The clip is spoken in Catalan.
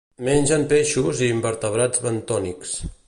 Mengen peixos i invertebrats bentònics.